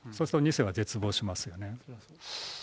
そうすると２世は絶望しますよね。